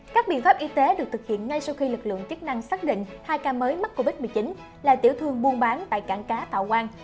các biện pháp y tế được thực hiện ngay sau khi lực lượng chức năng xác định hai ca mới mắc covid một mươi chín là tiểu thương buôn bán tại cảng cá thọ quang